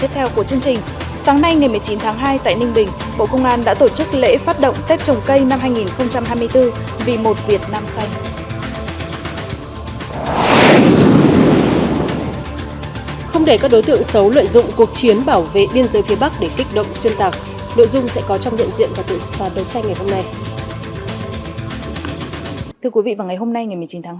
thưa quý vị vào ngày hôm nay ngày một mươi chín tháng hai